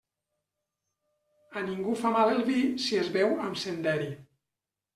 A ningú fa mal el vi si es beu amb senderi.